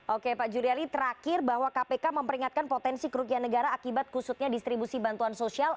oke pak juliali terakhir bahwa kpk memperingatkan potensi kerugian negara akibat kusutnya distribusi bantuan sosial